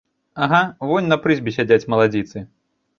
Ага, вунь на прызбе сядзяць маладзіцы.